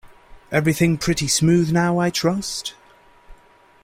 Everything pretty smooth now, I trust?